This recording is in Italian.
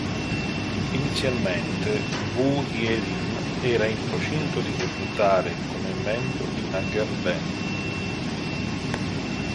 Inizialmente, Woo Hye-lim era in procinto di debuttare come membro di una girl band.